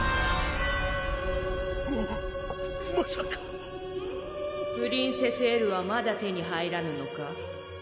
まさか・プリンセス・エルはまだ手に入らぬのか・